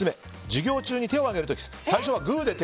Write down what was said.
授業中に手を挙げる時何で？